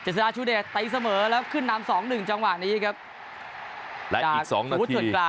เจศราชุเดรตัยสมัยแล้วขึ้นนำสองหนึ่งจังหวะนี้ครับและอีกสองนาที